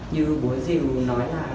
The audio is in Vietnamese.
như bố diều nói là